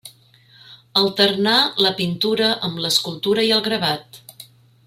Alternà la pintura amb l'escultura i el gravat.